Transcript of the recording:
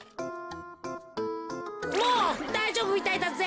もうだいじょうぶみたいだぜ。